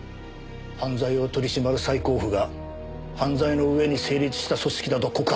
犯罪を取り締まる最高府が犯罪の上に成立した組織だと告発されるんだ。